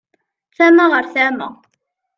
Tama ɣer tama.